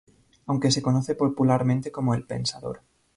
Aunque se conoce popularmente como "El Pensador".